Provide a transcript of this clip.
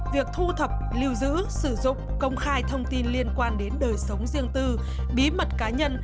việc thu thập lưu giữ sử dụng công khai thông tin liên quan đến đời sống riêng tư bí mật cá nhân